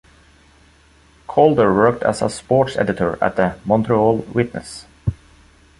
Calder worked as a sports editor at the "Montreal Witness".